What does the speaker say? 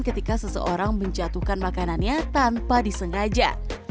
ketika seseorang menjatuhkan makanannya tanpa disengaja